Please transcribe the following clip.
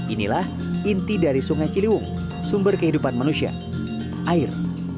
inilah inti dari sungai ciliwung sumber kehidupan manusia air